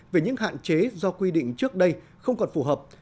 về những hạn chế do quy định trước đây không còn phù hợp